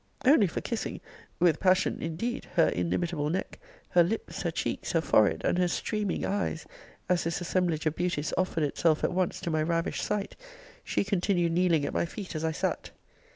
only for kissing (with passion indeed) her inimitable neck, her lips, her cheeks, her forehead, and her streaming eyes, as this assemblage of beauties offered itself at once to my ravished sight; she continuing kneeling at my feet as I sat.